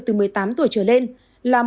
từ một mươi tám tuổi trở lên là